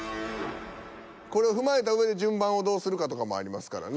これを踏まえたうえで順番をどうするかとかもありますからね。